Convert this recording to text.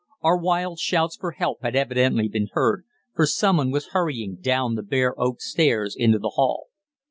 Our wild shouts for help had evidently been heard, for someone was hurrying down the bare oak stairs into the hall.